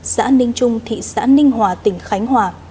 xã ninh trung thị xã ninh hòa tỉnh khánh hòa